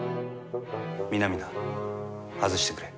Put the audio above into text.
皆々外してくれ。